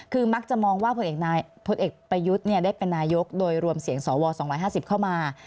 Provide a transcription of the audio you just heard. คือมักจะมองว่าผลเอกประยุทธ์ได้เป็นนายกโดยรวมเสียงสว๒๕๐เข้ามา